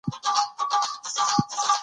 کویلیو له ظاهري جنجالونو ځان ساتي.